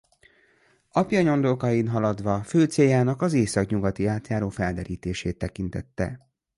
Apja nyomdokain haladva fő céljának az északnyugati átjáró felderítését tekintette.